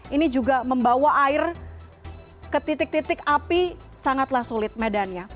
ini juga membawa air ke titik titik api sangatlah sulit medannya